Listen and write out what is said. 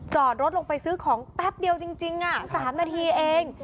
จอดรถลงไปซื้อของแป๊บเดียวจริง๓นาทีเอง